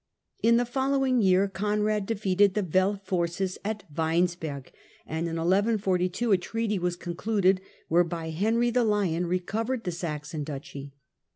In the following year Conrad defeated the Welf forces at Weinsberg,^ and in 1142 a treaty was con cluded whereby Henry the Lion recovered the Saxon duchy.